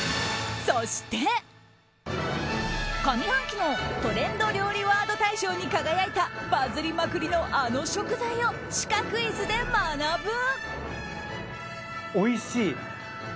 そして、上半期のトレンド料理ワード大賞に輝いたバズりまくりのあの食材をシカクイズで学ぶ。